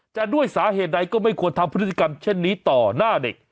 ด้วยสาเหตุใดก็ไม่ควรทำพฤติกรรมเช่นนี้ต่อหน้าเด็ก